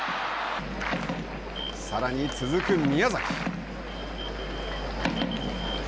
さらに続く宮崎。